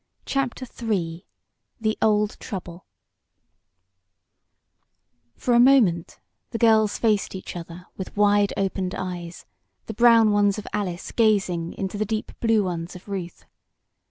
CHAPTER III THE OLD TROUBLE For a moment the girls faced each other with wide opened eyes, the brown ones of Alice gazing into the deep blue ones of Ruth.